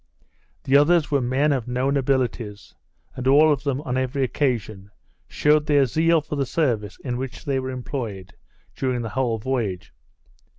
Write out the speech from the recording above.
The others were men of known abilities; and all of them, on every occasion, shewed their zeal for the service in which they were employed, during the whole voyage.